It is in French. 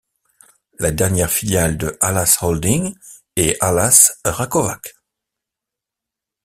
La dernière filiale de Alas holding est Alas Rakovac.